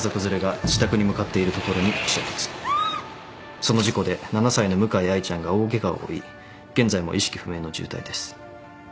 その事故で７歳の向井愛ちゃんが大ケガを負い現在も意識不明の重体です。